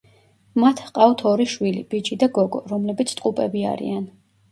მათ ჰყავთ ორი შვილი, ბიჭი და გოგო, რომლებიც ტყუპები არიან.